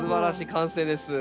完成です。